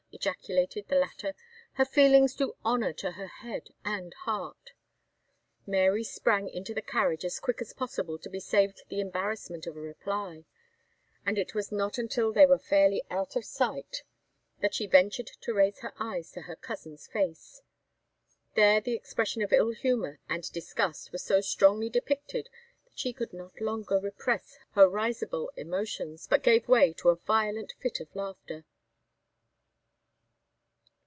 ejaculated the latter; "her feelings do honour to her head and heart!" Mary sprang into the carriage as quick as possible to be saved the embarrassment of a reply; and it was not till they were fairly out of sight that she ventured to raise her eyes to her cousin's face. There the expression of ill humour and disgust were so strongly depicted that she could not longer repress her risible emotions, but gave way to a violent fit of laughter.